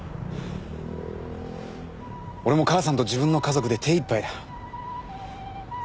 俺も母さんと自分の家族で手いっぱいだ。